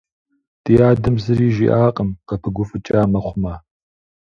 Ди адэм зыри жиӀакъым, къыпыгуфӀыкӀа мыхъумэ.